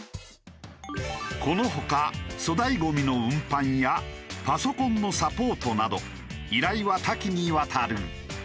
この他粗大ゴミの運搬やパソコンのサポートなど依頼は多岐にわたる。